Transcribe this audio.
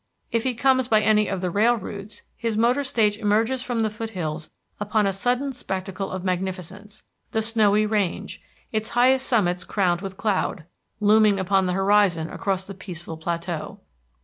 If he comes by any of the rail routes, his motor stage emerges from the foothills upon a sudden spectacle of magnificence the snowy range, its highest summits crowned with cloud, looming upon the horizon across the peaceful plateau.